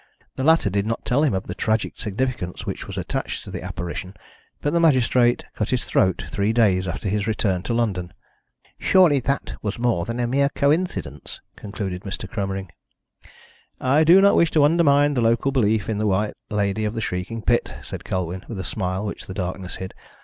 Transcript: The latter did not tell him of the tragic significance which was attached to the apparition, but the magistrate cut his throat three days after his return to London. "Surely, that was more than a mere coincidence?" concluded Mr. Cromering. "I do not wish to undermine the local belief in the White Lady of the Shrieking Pit," said Colwyn, with a smile which the darkness hid.